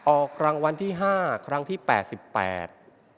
ออกรางวัลที่ห้าครั้งที่แปดสิบแปด